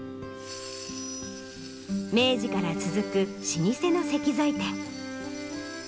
明治から続く老舗の石材店。